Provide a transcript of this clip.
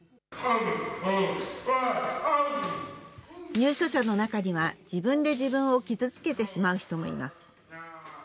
入所者の中には、自分で自分を傷つけてしまう人もいます。